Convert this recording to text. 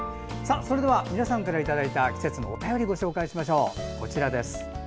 皆さんからいただいた季節のお便りをご紹介しましょう。